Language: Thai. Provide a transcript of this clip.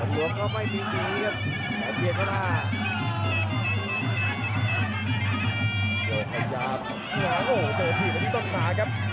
อะไรนะอยู่ลงช้าไปอีกได้ครับ